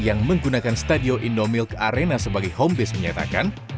yang menggunakan stadion indomilk arena sebagai homebase menyatakan